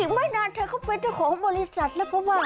ไม่นานเธอก็เป็นเจ้าของบริษัทแล้วเพราะว่า